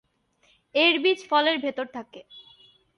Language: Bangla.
এর বীজ ফলের ভেতরে থাকে।